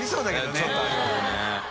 ねぇちょっとありますね。